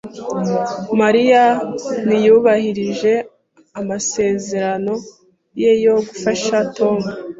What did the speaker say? Mariya ntiyubahirije amasezerano ye yo gufasha Tom.